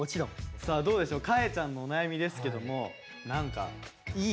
さあどうでしょうかえちゃんのお悩みですけども何かいい方法あります？